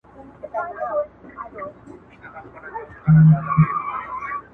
د ده په اشعارو کي پروت دی -